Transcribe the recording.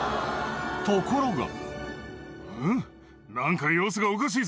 ところが。